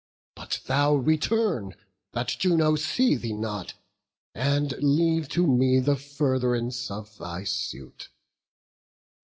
But thou return, that Juno see thee not, And leave to me the furth'rance of thy suit.